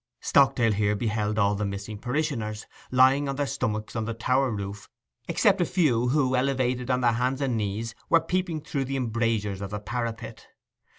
Stockdale here beheld all the missing parishioners, lying on their stomachs on the tower roof, except a few who, elevated on their hands and knees, were peeping through the embrasures of the parapet.